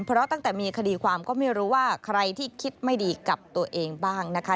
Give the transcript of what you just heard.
เพราะตั้งแต่มีคดีความก็ไม่รู้ว่าใครที่คิดไม่ดีกับตัวเองบ้างนะคะ